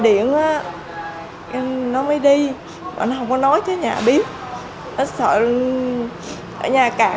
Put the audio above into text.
đó nên nó đi mình không có hay